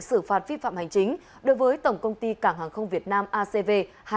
hành vi vượt quyết định xử phạt vi phạm hành chính đối với tổng công ty cảng hàng không việt nam acv